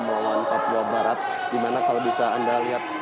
melawan papua barat di mana kalau bisa anda lihat